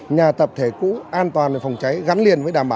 nhà tập thể cũ an toàn về phòng cháy gắn liền với đảm bảo